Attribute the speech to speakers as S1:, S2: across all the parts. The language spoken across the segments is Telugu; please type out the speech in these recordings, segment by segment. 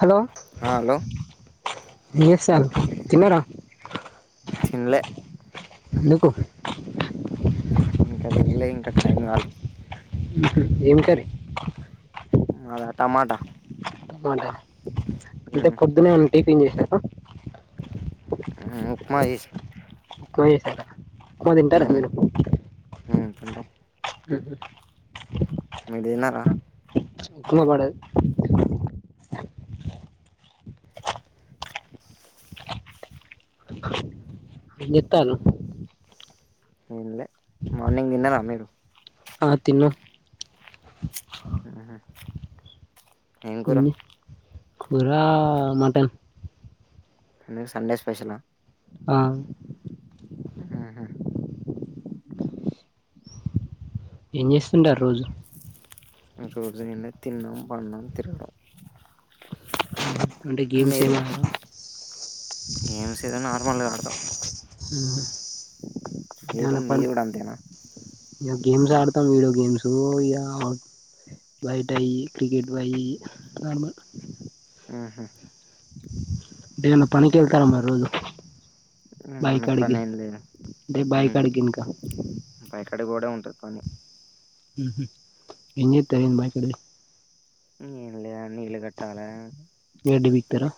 S1: హలో,
S2: ఆ హలో
S1: ఎమ్ జేస్తాళ్ళు? తిన్నారా?
S2: తిన్లే
S1: ఎందుకు?
S2: ఇంకా తిన్లే ఇంకా టైం కాలే
S1: ఏం కర్రీ?
S2: మాద? టమాట.
S1: టమాట, అంటే పొద్దున్నే ఏమన్ టిఫిన్ జేస్తరా?
S2: ఉప్మా చేసిన
S1: ప్మా చేస్తాళ్ల? ఉప్మా తింటరా మీరు?
S2: ఉమ్ తింటం.
S1: ఉ హు.
S2: మీరు తిన్నారా
S1: ఉప్మా పడద్. ఎం జెత్తార్రూ?
S2: ఎంలె మార్నింగ్ దిన్నరా మీరు?
S1: ఆ తిన్న.
S2: అ ఏం కూర?
S1: కూరా మటన్.
S2: ఎందుకు సండే స్పెషలా?
S1: ఆ
S2: ఉ హు
S1: ఏం చేస్తుంటారు రోజు?
S2: రోజు ఏమున్నది తిన్డం, పండడం, తిరగడం.
S1: అంటే గేమ్స్ ఏం
S2: మీరు
S1: [inaudible]
S2: ములుగా అడతాం.
S1: ఉ హు అంటే
S2: మీరు
S1: ఏమన్న పన్,
S2: మీది కూడా అంతేనా
S1: ఇగ గేమ్స్ ఏ ఆడతం విడియో గేమ్స్. [unintelligible] బయటయి క్రికెట్. ఇవయి నార్మల్
S2: ఊ హు
S1: టేమన్న పనికి ఏళ్తారా మరి రోజు? బాయ్
S2: మనకు పని
S1: కాడిగి,
S2: ఏం లేదు
S1: అంటే బై కాడిక్
S2: చేడగోవడం ఉంటది పని.
S1: ఉ హు. ఏం జేత్తర్ ఏంది బాయి కాడికి పోయ్?
S2: నీళ్ళే నీళ్లు కట్టాలే
S1: మీరు దిగుతారా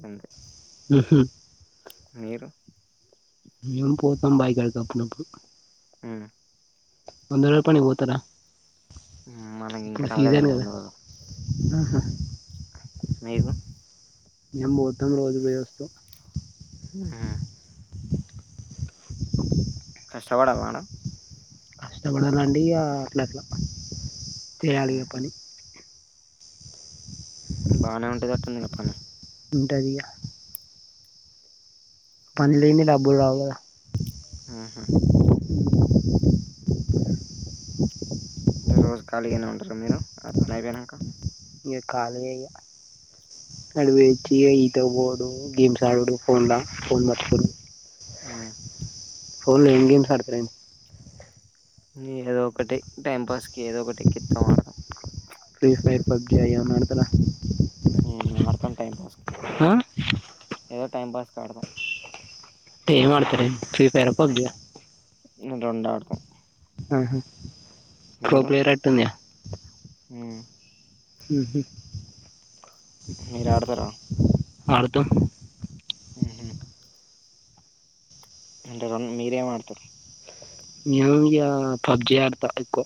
S2: [unintelligible]
S1: హ్ హు
S2: మీరు
S1: మేము పోతాం బాయి కాడికి అప్పుడప్పుడు వంద రోజుల పనికి పోతారా
S2: మనకి ఇంకా
S1: ఇప్పుడు సీజన్
S2: రలేదన్న
S1: కదా
S2: లోడ్
S1: ఆహా
S2: మీకు
S1: మేం మొత్తం రోజు వేయిస్తూ
S2: ఉ హా కష్టపడవన్న
S1: కష్టపడాలండి అట్లా అట్లా చేయాలిగా పని
S2: బాగానే ఉంటది చిన్నగ పని
S1: ఉంటదిగా పని లేంది డబ్బులు రావు కదా
S2: ఆహా అంటే రోజు ఖాళీగానే ఉంటర. మీరు నట్లు అయిపోయినాక
S1: ఇగ ఖాళీయే ఇగ [unintelligible] ఈత బోవుడు గేమ్స్ ఆడుడు ఫోన్లా ఫోన్ [unintelligible]
S2: ఆ
S1: ఫోన్లో ఎం గేమ్స్ ఆడుతారు ఎం
S2: ఏదో ఒకటి టైంపాస్ కి ఏదో ఒకటి నికిత్తం ఆడత
S1: ఫ్రీ ఫైర్ పబ్జి అయ్యి ఏమన్నాడుతరా
S2: ఆడతాం టైం పాస్కి
S1: ఆ
S2: ఏదో టైం పాస్ ఆడుతం
S1: ఏం అడుతరెంది ఫ్రీ ఫైర్ ఆ పబ్జి
S2: రెండు ఆడుతాం
S1: ఆహ కో ప్లేయర్ అట్టుందిగా
S2: ఉ
S1: హ్ హ్
S2: మీరు ఆడతారా
S1: ఆడతాం
S2: హ్మ్ హ్మ్ అంటే రం మీరేం ఆడతారు
S1: నేను ఇక పబ్జి ఆడతా ఎక్కువ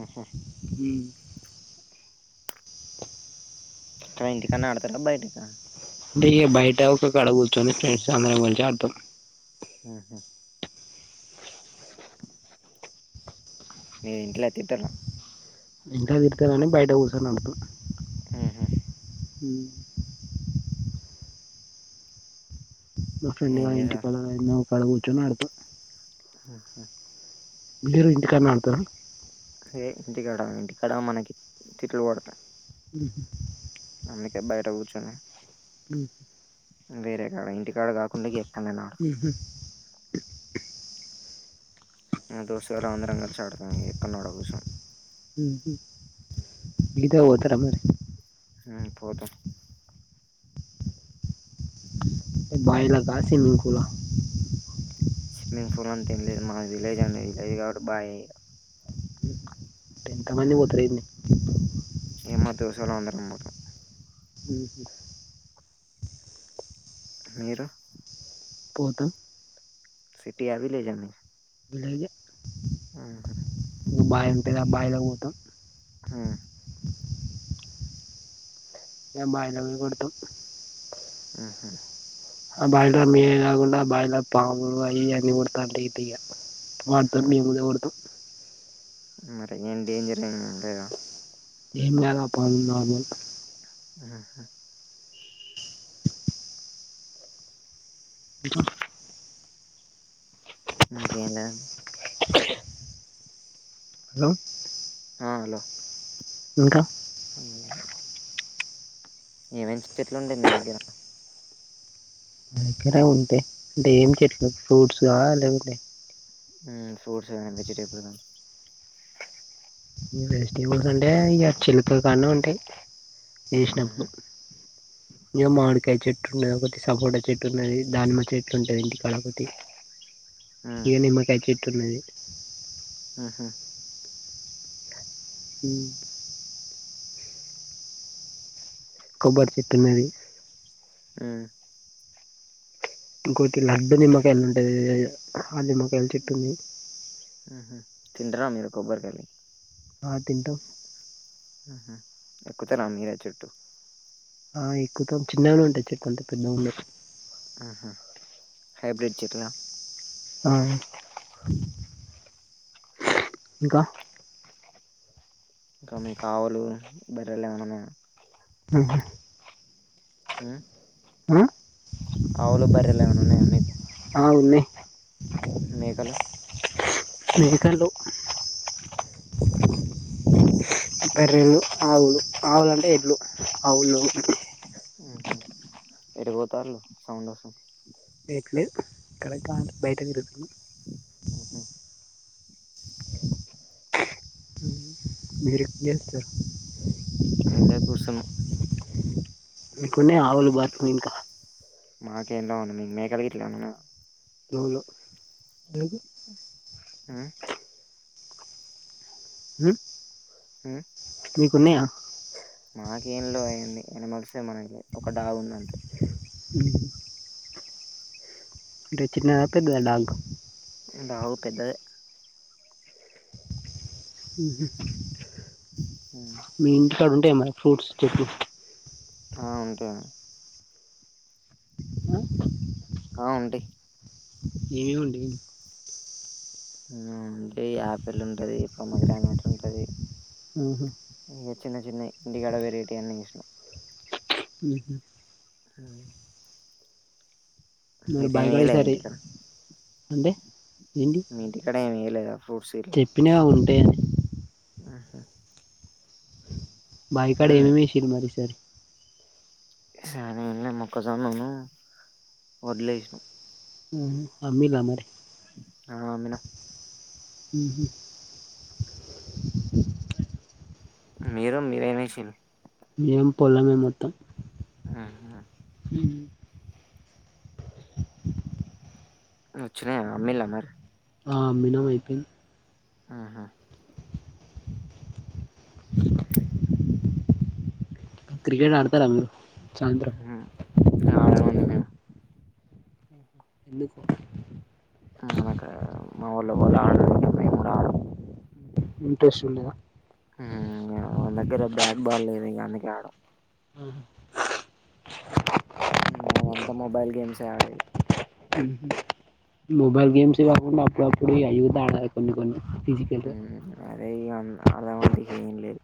S2: ఆహా
S1: హ్మ్
S2: ఎక్కడ ఇంటికాడనే ఆడతారా బయటకా
S1: అంటే ఇ బయట ఒక కడ కూర్చోని ఫ్రెండ్స్ అందరం కలిసి ఆడుతాం
S2: హహా మీ ఇంట్లో తిట్టరా
S1: ఇంట్ల తిరుతనని బయట కూర్చొని అడుతా
S2: ఆహ
S1: హ మా ఫ్రెండ్
S2: ఏం
S1: గాని
S2: చేసారు
S1: ఇంటికాడ అక్కడ కూర్చుని ఆడుత
S2: ఉహు
S1: మీరు ఇంటికడానే ఆడుతారా
S2: అదే ఇంటి కాడా ఇంటి మనకి తిట్లు పడతాయి
S1: [inaudible]
S2: అందుకే బయట కూర్చొని
S1: హ్మ్
S2: వేరే కాడా ఇంటి అక్కడ కాకుండా ఎక్కడన్నన మా దోస్తుగాలాం అందరం కలిసి ఆడతాం ఎక్కనోడ కూర్చొని
S1: ఈతకి పోతారా మీరు
S2: హూ పోతాం
S1: బయలక స్విమింగ్ కూలా లక
S2: ఫుల్ని అంత ఏం లేదు మాది విలేజ్ అండి విలేజ్ కాట్టి ఇగ బయే
S1: [inaudible] ఎంతమంది పోతారు ఏంది
S2: దోస్తుగల్లం అందరం పోతాం
S1: ఉహ
S2: మీరు
S1: పోతాం
S2: సిటీ ఆ విలేజ్ ఆ మీది
S1: విలేజ్ ఎ
S2: ఉహూ
S1: బయ అంటది బయలా పోతాం
S2: ఆ
S1: మేం బయలవి కొడతాం
S2: ఆహా
S1: ఆ బాయిలర్ మేమే కాకుండా ఆ బాయిలర్ పాములు అవి అన్నీ కొడతా ఇగా వాటితో మేము కూడా కొడతాం
S2: మరీ ఏం డేంజర్ ఏం లేదా
S1: ఏం కాదు ఆ పాలు నార్మల్
S2: ఆ హ
S1: ఇంకా
S2: ఇంకేం లేదు
S1: [inaudible] హలో
S2: ఆ హలో
S1: ఇంకా
S2: [inaudible] ఏం ఏం చెట్లుండే మీ దగ్గర
S1: మా దగ్గర ఉంటే అంటే ఏం చెట్లు ఫ్రూట్స్ ఆ లేకపోతే
S2: ఉమ్ ఫ్రూట్స్ గాని వెజిటేబిల్స్ గానీ
S1: ఈ వెజిటేబిల్స్ అంటే ఇగ చిలకల్ కాడ్నె ఉంటాయ్ ఏసినప్పుడు
S2: ఉహు
S1: ఇగ మామిడికాయ చెట్టు ఉన్నది ఒకటి సపోట చెట్టు ఉన్నది దానిమ చెట్టు ఉంటది ఇంటి కాదా ఒకటి
S2: ఉమ్
S1: ఇగ నిమ్మకాయ చేట్ ట్టున్నది
S2: ఉహు
S1: ఉ కొబ్బరి చెట్టున్నది
S2: ఉ
S1: ఇంకొటి లడ్డు నిమ్మకాయలు ఉంటది ఆ నిమ్మకాయలు చెట్టుంది
S2: ఉహు తింటరా మీరు కొబ్బరి కాయలు
S1: ఆ తింటాం
S2: ఉహు ఎక్కుతార మీరె చెుట్టు
S1: ఆ ఎక్కుతం చిన్నగానే ఉంటాయి చెట్లు అంత పెద్దగా ఉండవు
S2: ఉహు హైబ్రిడ్ చెట్లా
S1: ఆ ఇంకా
S2: ఇంకా మీ ఆవులు బర్రెలు ఏమన్నా ఉన్నాయా
S1: ఉహు
S2: ఉ
S1: ఉ
S2: ఆవులు బర్రెలు ఏమన్నా ఉన్నాయా మీకు
S1: ఆ ఉన్నయ్
S2: మేకలు
S1: మేకలు బర్రెలు ఆవులు ఆవులంటే ఎడ్లు ఆవులు లెవ్వు
S2: ఎటుపోతాల్లు సౌండ్ వొస్తుంది
S1: ఇక్కడే తిరగతాండ బయట తిరుగుతున్న
S2: ఉహు
S1: మీరు ఏం చేస్తారు
S2: ఇలా కూసను
S1: మీకునయ ఆవులు బర్రెలు ఇంకా
S2: మాకేంలేవ్ అన్నా మీకు మేకల్గీకల్ గి ఇట్లా ఉన్నవా
S1: లోవుళ ఇ [unintelligible]
S2: ఆ
S1: హ
S2: హ
S1: మీకు
S2: మాకేంలేవ్ అయ్యన్నీ ఎనిమల్సే మనకి ఒక డాగు ఉంది అంతే
S1: అంటే చిన్నద పెద్దదా డాగ్
S2: ఉంటవు [unintelligible] పెద్దదే
S1: ఉ
S2: హ
S1: ఇక్కడ ఉంటయా మరి ఫ్రూట్స్ చెప్పు
S2: ఆ ఉంటయి ఆ ఉంటయి
S1: ఏవేవి ఉంటయి ఏంటి
S2: ఉ అంటే ఆపిల్ ఉంటది పొమగ్రనేట్ ఉంటది
S1: ఉహు
S2: ఇగ చిన్న చిన్న ఇంటికాడ వెరైటీ అన్ని చూసిన
S1: ఉహు మరి
S2: మీరేమి
S1: బాయికాడ
S2: వేయలే
S1: ఈసారి
S2: ఇంటికడ
S1: అంటే ఏంటి
S2: మీ ఇంటికాడ ఏమేయలేదా ఫ్రూట్స్ ఇట్లా
S1: అంటే
S2: అహా
S1: బాయి కాడ ఏమేమి ఏసిర్రు మరి ఈసారి
S2: ఈసారి మొక్కజొన్నను వడ్లుఏసినం
S1: ఉహు అమ్మీలా మరి
S2: ఆ అమ్మిన
S1: ఉహు
S2: మీరు మీరేమీ ఎసిన్రు
S1: మేము పొలమే మొత్తం
S2: అహా
S1: ఉ
S2: వచ్చిన అమ్మిలా మరి
S1: ఆ అమ్మినం అయిపో
S2: ఆహా
S1: క్రికెట్ ఆడతారా మీరు సాయంత్రం
S2: ఆంది [unintelligible] నేను
S1: ఎందుకు
S2: అనక మాఊళ్ళ ఎవలు ఆడరిక మేం కూడా ఆడం
S1: ఇంట్రెస్ట్ ఉండద
S2: దగ్గర బ్యాట్ బాల్ లేదు ఇంకా అందుకె ఆడం అదంతా మొబైల్ గేమ్స్ే ఆడేది
S1: మొబైల్ గేమ్స్ కాకుండా అప్పుడప్పుడు [unintelligible] ఆడాలి కొన్ని కొన్ని ఫిజికల్గా
S2: ఉమ్ అదే ఇగ అన్ ఆడదామంటే హేం లేదు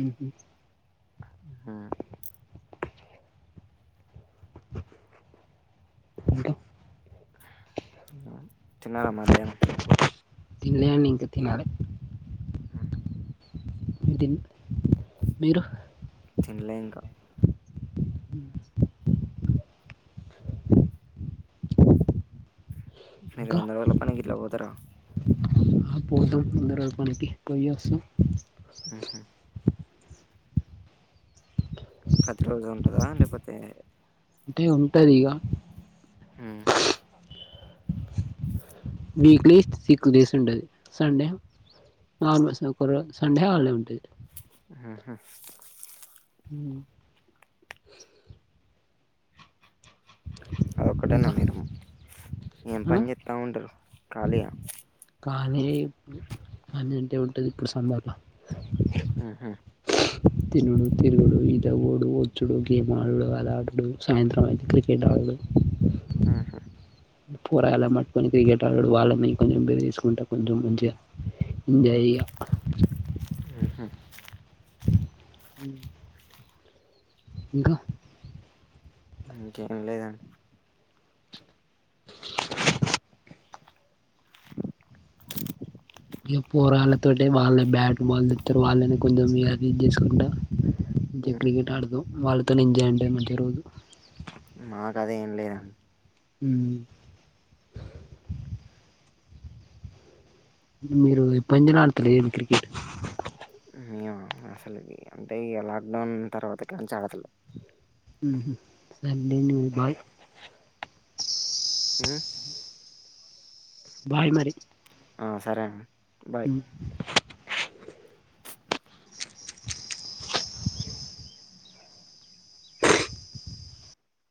S1: ఊహూ
S2: ఉహూ తాన్నారా మధ్యానం
S1: తినలే అండి ఇంక తినాలి
S2: ఊహూ
S1: దిన్ మీరు
S2: తినలే ఇంకా మీరు
S1: ఇంకా
S2: వంద రోజుల పనికి ఇట్లా పోతారా
S1: పోతాం వంద రోజుల పనికి పోయ్యోసి
S2: ఊహూ ప్రతి రోజూ ఉంటదా లేపోతే
S1: అంటే ఉంటది గా
S2: హూ
S1: వీక్లీ సిక్స్ డేస్ ఉంటది సండే నార్మల్స్ ఒక్కరోజు సండే హాలిడే ఉంటది
S2: హ్ ఊహూ
S1: హూ
S2: అదొక్కటేన్నా
S1: ఇంకా
S2: మీరు ఏం పని చేత్తా ఉంటారు ఖాళీ యా
S1: పానీ యే [inaudible] ఉంటే ఉంటది ఇప్పుడు సమ్మర్ లో
S2: ఊహూ
S1: తినుడు తిరుగుడు ఈతకు పోవుడు వచ్చుడు గేమ్ ఆడుడు అది ఆడుడు సాయంత్రం అయితే క్రికెట్ ఆడుడు
S2: ఊహూ
S1: పోరగాళ్ళని పట్టుకొని క్రికెట్ ఆడుడు వాళ్ళని కొంచెం బెదిరిచ్చుకుంటా కొంచెం మంచిగా ఎంజాయ్ జెయ్యా
S2: ఊహూ
S1: ఊ ఇంకా
S2: ఇంకేం లేదండి
S1: ఇగ పోరాళ్ళతోటే వాళ్ళే బ్యాట్ బాల్ దెత్తారు వాళ్ళని కొంచెం [unintelligible] చేసుకుంటా ఇంక
S2: హ్మ్.
S1: క్రికెట్ ఆడుతాం వాళ్ళ తని ఎంజాయ్ అండి మంచి రోజు
S2: మాకది ఏం లే
S1: ఉమ్ మీరు ఎప్ప [unintelligible] నాడుతలేదు క్రికెట్
S2: మేమ అసలికి అంటే ఇగ లాక్ డౌన్ తర్వాత కల్చి ఆడతలేం
S1: మ్మ్ హ్మ్ సర్లే అండి ఇంగబాయ్
S2: హ్మ్
S1: బాయ్ మరి
S2: ఆ సరే అం
S1: ఉమ్